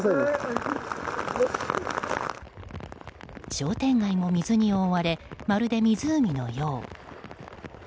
商店街も水に覆われまるで湖のよう。